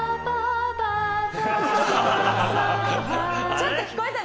ちょっと聞こえた。